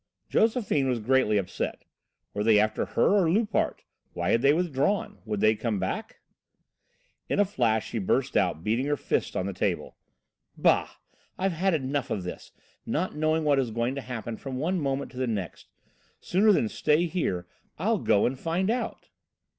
Josephine was greatly upset. Were they after her or Loupart? Why had they withdrawn? Would they come back? In a flash she burst out, beating her fist on the table: "Bah! I've had enough of this, not knowing what is going to happen from one moment to the next. Sooner than stay here, I'll go and find out."